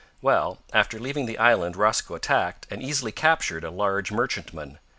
Well, after leaving the island Rosco attacked, and easily captured, a large merchantman.